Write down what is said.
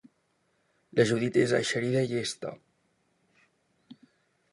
La Judit és eixerida i llesta.